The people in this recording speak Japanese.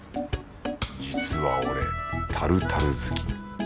実は俺タルタル好き。